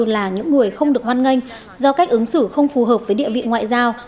là những người không được hoan nghênh do cách ứng xử không phù hợp với địa vị ngoại giao